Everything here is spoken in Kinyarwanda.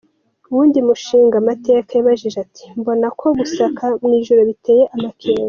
Uwundi mushingamateka yabajije ati: "Mbona ko gusaka mw'ijoro biteye amakenga.